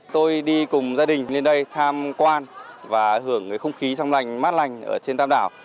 tôi đi cùng gia đình lên đây tham quan và hưởng cái không khí trong lành mát lành ở trên tam đảo